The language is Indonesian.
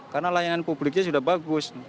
karena layanan publiknya sudah bagus